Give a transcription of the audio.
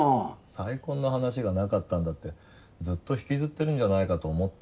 再婚の話がなかったのだってずっと引きずってるんじゃないかと思って。